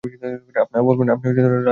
আপা বললেন, আপনি রাত জেগে পড়াশোনা করেন।